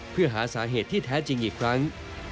เพื่อหาสาเหตุที่แท้จริงอีกครั้ง